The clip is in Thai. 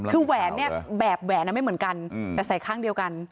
คือแหวนเนี่ยแบบแหวนไม่เหมือนกันแต่ใส่ข้างเดียวกัน